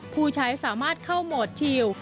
ผู้ใช้สามารถเข้าโหมดทิว